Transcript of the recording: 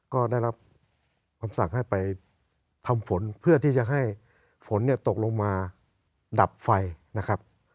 ก็ได้รับคำสั่งให้ไปทำฝนเพื่อที่จะให้ฝนตกลงมาดับไฟนะครับ